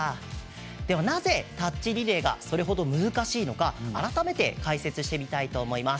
なぜ、タッチリレーがそれほど難しいのか改めて解説してみたいと思います。